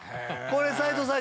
斉藤さん